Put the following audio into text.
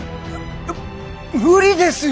む無理ですよ！